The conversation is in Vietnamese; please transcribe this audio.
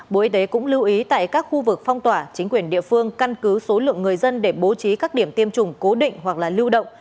bộ y tế cũng lưu ý tại các khu vực phong tỏa chính quyền địa phương căn cứ số lượng người dân để bố trí các điểm tiêm chủng cố định hoặc là lưu động